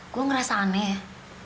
gua ngerasa aneh